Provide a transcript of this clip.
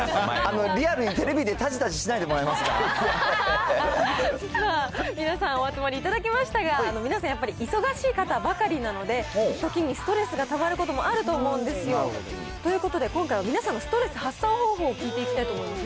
リアルにテレビで、皆さんお集まりいただきましたが、皆さんやっぱり、忙しい方ばかりなので、時にストレスがたまることもあると思うんですよ。ということで今回は皆さんのストレス発散方法を聞いていきたいと思います。